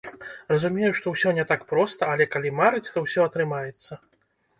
Разумею, што ўсё не так проста, але, калі марыць, то ўсё атрымаецца.